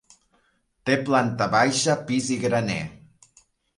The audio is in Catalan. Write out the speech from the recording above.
Té planta baixa, pis i graner.